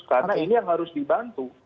karena ini yang harus dibantu